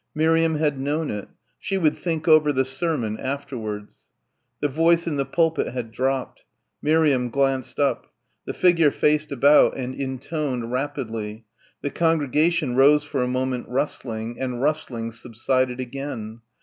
Miriam had known it. She would "think over" the sermon afterwards.... The voice in the pulpit had dropped. Miriam glanced up. The figure faced about and intoned rapidly, the congregation rose for a moment rustling, and rustling subsided again.